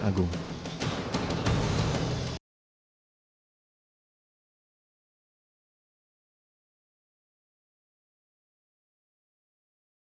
jangan lupa like share dan subscribe ya